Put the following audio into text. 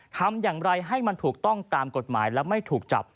ทำอย่างไรให้มันถูกต้องตามกฎหมายและไม่ถูกจับ